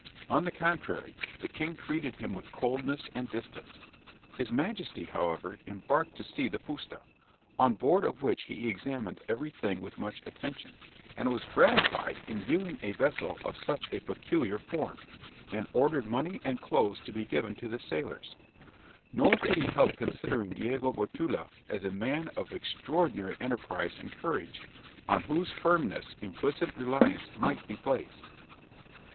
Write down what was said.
On the contrary, the king treated him with coldness and distance; his Majesty, however, embarked to see the fusta, on board of which he examined every thing with much attention, and was gratified in viewing a vessel of such a peculiar form, and ordered money and clothes to be given to the sailors nor could he help considering Diogo Botelho as a man of extraordinary enterprise and courage, on whose firmness implicit reliance might be placed.